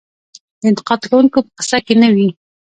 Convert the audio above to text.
د انتقاد کوونکو په قصه کې نه وي .